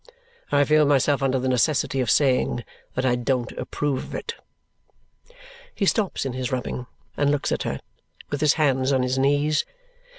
I feel myself under the necessity of saying that I don't approve of it." He stops in his rubbing and looks at her, with his hands on his knees.